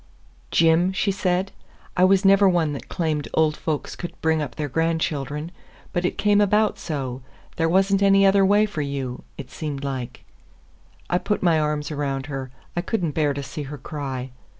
"Jim," she said, "I was never one that claimed old folks could bring up their grandchildren. But it came about so; there was n't any other way for you, it seemed like." I put my arms around her. I could n't bear to see her cry.